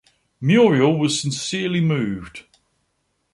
Muriel was sincerely moved.